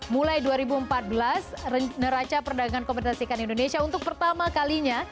mulai dua ribu empat belas neraca perdagangan kompetensi ikan indonesia untuk pertama kalinya